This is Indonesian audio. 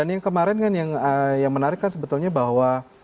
yang kemarin kan yang menarik kan sebetulnya bahwa